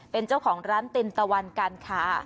เป็นเจ้าของร้านตินตะวันการคา